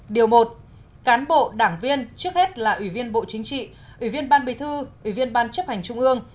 điều một cán bộ đảng viên trước hết là ủy viên bộ chính trị ủy viên ban bí thư ủy viên ban chấp hành trung ương